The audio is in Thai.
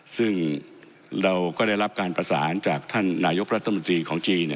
ซึ่งเราก็ได้รับการประสานจากท่านนายกรัฐมนตรีของจีน